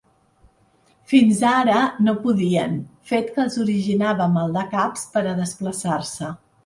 Fins ara no podien, fet que els originava maldecaps per a desplaçar-se.